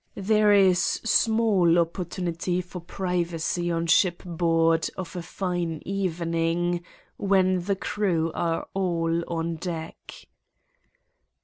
There is small opportunity for privacy on shipboard of a fine evening, when the crew are all on deck.